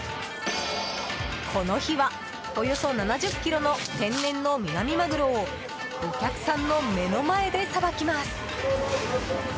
この日は、およそ７０ｋｇの天然のミナミマグロをお客さんの目の前でさばきます。